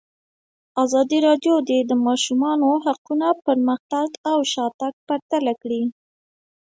ازادي راډیو د د ماشومانو حقونه پرمختګ او شاتګ پرتله کړی.